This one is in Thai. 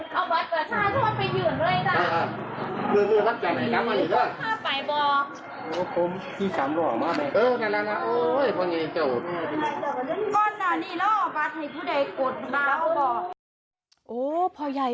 พอมาแบบนี้เออพอเงียบ